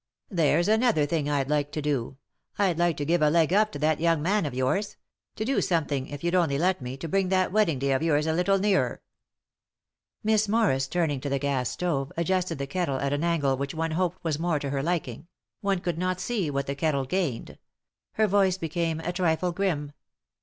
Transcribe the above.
"There's another thing I'd like to do — I'd like to give a leg up to that young man of yours ; to do some thing, if you'd only let me, to bring that wedding day of yours a little nearer." Miss Morris, turning to the gas stove, adjusted the kettle at an angle which one hoped was more to her liking; one could not see what the kettle gained. Her voice became a trifle grim.